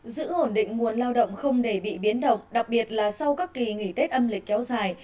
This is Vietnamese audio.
giữ ổn định nguồn lao động không để bị biến động đặc biệt là sau các kỳ nghỉ tết âm lịch kéo dài